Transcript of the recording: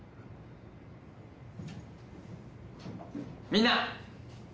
みんな！